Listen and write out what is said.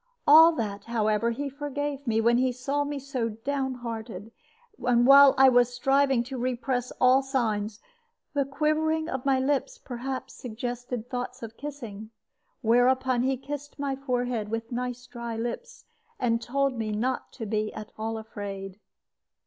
All that, however, he forgave me when he saw me so downhearted; and while I was striving to repress all signs, the quivering of my lips perhaps suggested thoughts of kissing. Whereupon he kissed my forehead with nice dry lips, and told me not to be at all afraid.